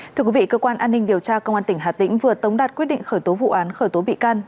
thưa quý vị cơ quan an ninh điều tra công an tỉnh hà tĩnh vừa tống đạt quyết định khởi tố vụ án khởi tố bị can